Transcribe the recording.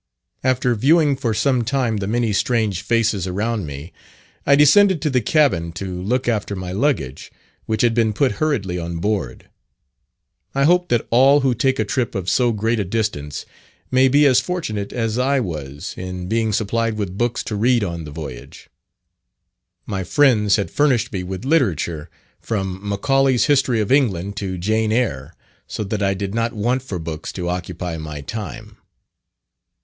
After viewing for some time the many strange faces around me, I descended to the cabin to look after my luggage, which had been put hurriedly on board. I hope that all who take a trip of so great a distance may be as fortunate as I was, in being supplied with books to read on the voyage. My friends had furnished me with literature, from "Macaulay's History of England" to "Jane Eyre," so that I did not want for books to occupy my time.